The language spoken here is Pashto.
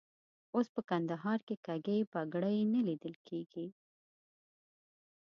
اوس په کندهار کې کږې بګړۍ نه لیدل کېږي.